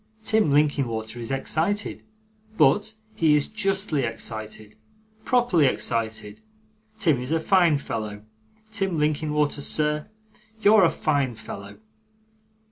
Tim Linkinwater is excited, but he is justly excited, properly excited. Tim is a fine fellow. Tim Linkinwater, sir you're a fine fellow.